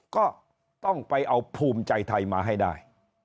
ก็ต้องไปเอาภูมิใจไทยมาให้ได้